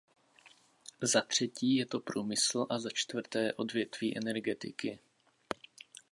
Za třetí je to průmysl a za čtvrté odvětví energetiky.